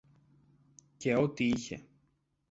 και ό,τι είχε